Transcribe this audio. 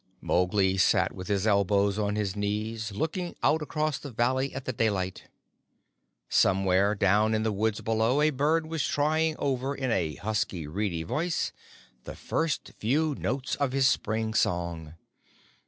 Mowgli sat with his elbows on his knees, looking out across the valley at the daylight. Somewhere down in the woods below a bird was trying over in a husky, reedy voice the first few notes of his spring song.